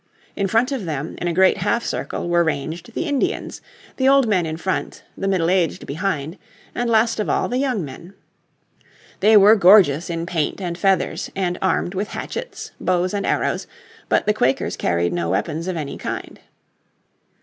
In front of them, in a great half circle were ranged the Indians, the old men in front, the middle aged behind, and last of all the young men. They were gorgeous in paint and feathers, and armed with hatchets, bows and arrows, but the Quakers carried no weapons of any kind.